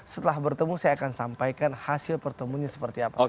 setelah bertemu saya akan sampaikan hasil pertemuannya seperti apa